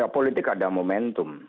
politik ada momentum